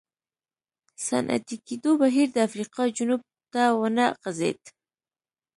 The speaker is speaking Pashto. صنعتي کېدو بهیر د افریقا جنوب ته ونه غځېد.